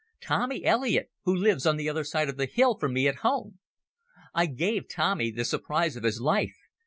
Tommy Elliot, who lives on the other side of the hill from me at home. "I gave Tommy the surprise of his life.